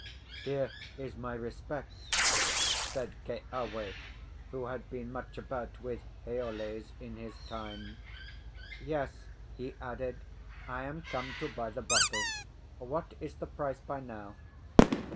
"Here is my respects," said Keawe, who had been much about with Haoles in his time. "Yes," he added, "I am come to buy the bottle. What is the price by now?"